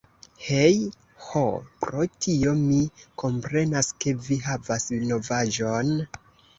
Hej.... Ho, pro tio mi komprenas ke vi havas novaĵon!